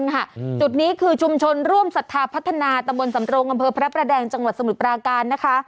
จุดนี้คือชุมชนร่วมศรัทธาพัฒนาตำบลสำรงอำเภอพระประแดงจังหวัดสมุทรปราการนะคะ